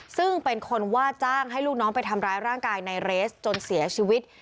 ซึ่งเป็นคนว่าจ้างให้ลูกน้องไปทำร้ายร่างกายนายเรสจนเสียชีวิต